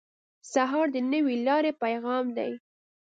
سهار د نوې لارې پیغام دی.